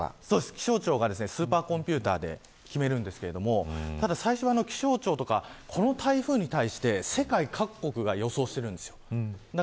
気象庁がスーパーコンピューターで決めるんですけどただ最初は気象庁とかこの台風に対して世界各国が予想しているんです。